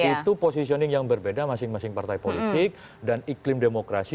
itu positioning yang berbeda masing masing partai politik dan iklim demokrasi